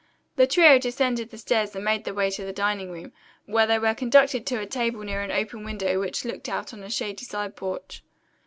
The trio descended the stairs and made their way to the dining room, where they were conducted to a table near an open window which looked out on a shady side porch.